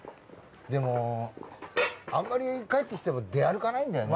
でもあんまり帰ってきても出歩かないんだよね。